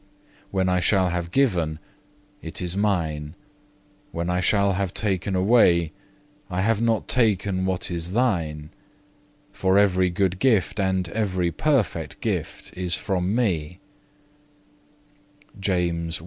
5. "When I shall have given, it is Mine; when I shall have taken away, I have not taken what is thine; for every good gift and every perfect gift(4) is from me.